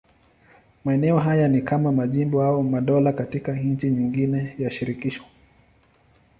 Maeneo haya ni kama majimbo au madola katika nchi nyingine ya shirikisho.